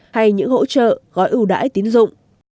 hay những hỗ trợ gọi ưu đãi tín dụng